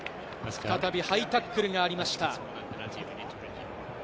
再びハイタックルがありました。